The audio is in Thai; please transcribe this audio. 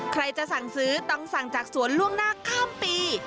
ใครจะสั่งซื้อต้องสั่งจากสวนล่วงหน้าข้ามปี